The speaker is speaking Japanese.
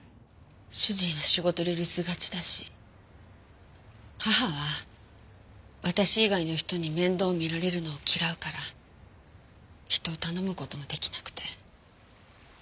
主人は仕事で留守がちだし義母は私以外の人に面倒を見られるのを嫌うから人を頼む事も出来なくて。